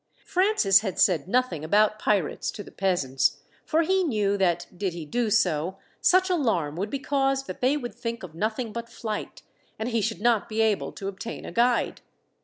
Francis had said nothing about pirates to the peasants, for he knew that, did he do so, such alarm would be caused that they would think of nothing but flight, and he should not be able to obtain a guide.